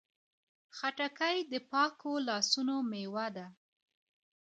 خټکی د پاکو لاسونو میوه ده.